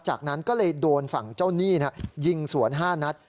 จากนั้นก็เลยโดนฝั่งเจ้าหนี้ยิงสวน๕นัด